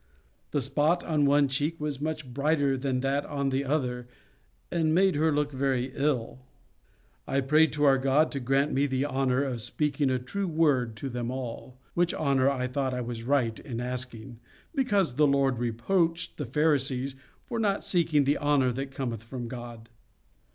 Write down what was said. The spot on one cheek was much brighter than that on the other, and made her look very ill. I prayed to our God to grant me the honour of speaking a true word to them all; which honour I thought I was right in asking, because the Lord reproached the Pharisees for not seeking the honour that cometh from God.